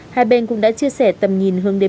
hai bên cũng đã chia sẻ tầm nhìn hướng đến